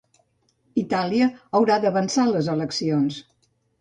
Itàlia haurà d'avançar les eleccions